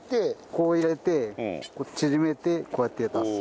こう入れて縮めてこうやって出す。